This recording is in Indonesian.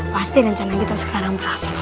pasti rencana kita sekarang berhasil